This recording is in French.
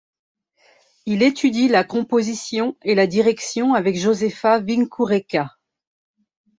Il étudie la composition et la direction avec Jozefa Vincoureka.